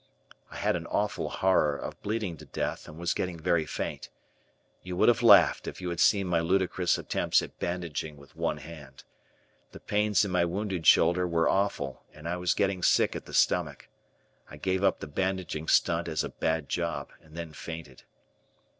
I had an awful horror of bleeding to death and was getting very faint. You would have laughed if you had seen my ludicrous attempts at bandaging with one hand. The pains in my wounded shoulder were awful and I was getting sick at the stomach. I gave up the bandaging stunt as a bad job, and then fainted.